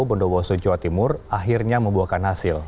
bondowoso jawa timur akhirnya membuahkan hasil